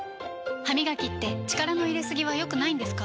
歯みがきって力の入れすぎは良くないんですか？